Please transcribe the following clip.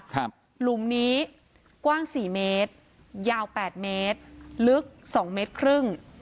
หลุมนี้กว้างสี่เมตรยาวแปดเมตรลึกสองเมตรครึ่ง